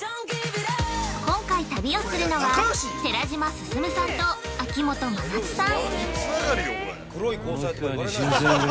◆今回旅をするのは、寺島進さんと秋元真夏さん。